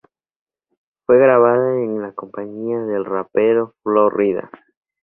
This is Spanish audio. Fue grabada en compañía del rapero Flo Rida.